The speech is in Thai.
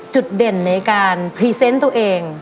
จุดเด่นในการพรีเซนต์ตัวเอง